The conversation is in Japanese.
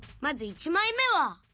まず１枚目は